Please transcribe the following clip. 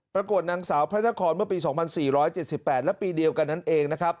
ปรากฏนางสาวพระนครเมื่อปี๒๔๗๘และปีเดียวกันนั่นเองนะครับ